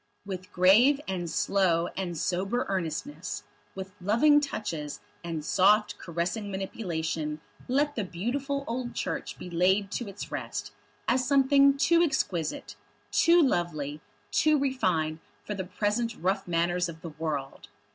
With grave and slow and sober earnestness, with loving touches and soft caressing manipulation let the beautiful old Church be laid to its rest, as something too exquisite, too lovely, too refined for the present rough manners of the world!